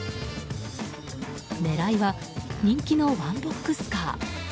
狙いは人気のワンボックスカー。